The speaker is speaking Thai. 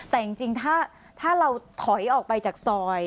แต่จริงถ้าเราถอยออกไปจากซอย